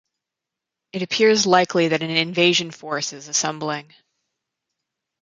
It appears likely that an invasion force is assembling.